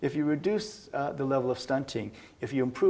sebuah kadra yang baru